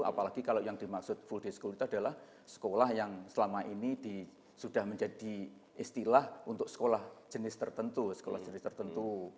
apalagi kalau yang dimaksud full day school itu adalah sekolah yang selama ini sudah menjadi istilah untuk sekolah jenis tertentu sekolah jenis tertentu